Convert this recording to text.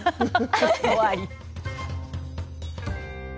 怖い。